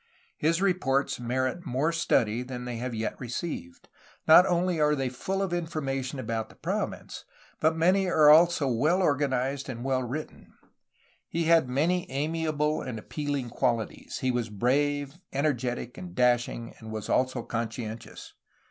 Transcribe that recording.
His reports merit more study than they have yet received. Not only are they full of in formation about the province, but they are also well organ ized and well written. He had many amiable and appealing qualities. He was brave, energetic, and dashing, and was also conscientious.